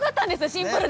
シンプルで。